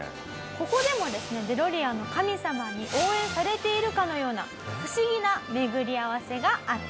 ここでもですねデロリアンの神様に応援されているかのような不思議な巡り合わせがあったんです。